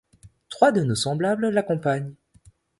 Trois de nos semblables l'a-ccompagnent.